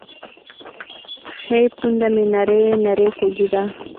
ښۍ پونده مې نرۍ نرۍ خوږېده.